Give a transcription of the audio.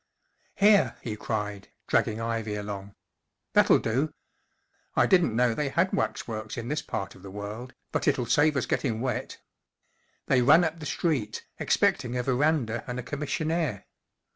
"Here," he cried, dragging Ivy along, " that'll do. I didn't know they had waxworks in this part of the world, but it'll save us getting wet/ 1 They ran up the street, expecting a ver¬ anda and a com¬ missionaire.